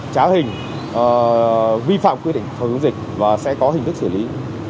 trá hình vi phạm quy định phòng chống dịch và sẽ có hình thức xử lý